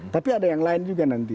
tapi ada yang lain juga nanti